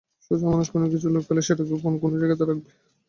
সোজা মানুষ কোনোকিছু লুকোলে সেটা গোপন কোনো জায়গাতেই রাখবে।